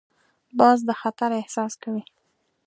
باز د خطر احساس کوي